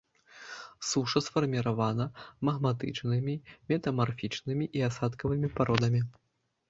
Суша сфарміравана магматычнымі, метамарфічнымі і асадкавымі пародамі.